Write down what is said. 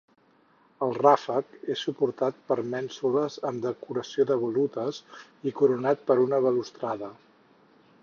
El ràfec és suportat per mènsules amb decoració de volutes i coronat per una balustrada.